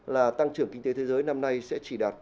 là tăng trưởng kinh tế thế giới năm nay sẽ chỉ đạt